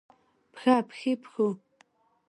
پښه ، پښې ، پښو